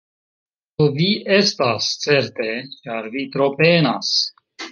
Do, vi estas certe ĉar vi tro penas